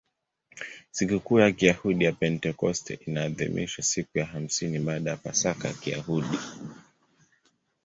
Sikukuu ya Kiyahudi ya Pentekoste inaadhimishwa siku ya hamsini baada ya Pasaka ya Kiyahudi.